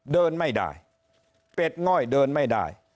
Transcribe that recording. เดินไม่ได้เป็ดง่อยเดินไม่ได้